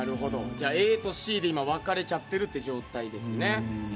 じゃあＡとＣで今分かれちゃってるって状態ですね。